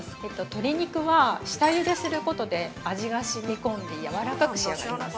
鶏肉は下ゆですることで味がしみ込んでやわらかく仕上がります。